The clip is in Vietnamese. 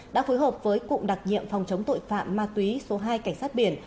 đã phối hợp với cụm đặc nhiệm phòng chống tội phạm ma túy số hai cảnh sát biển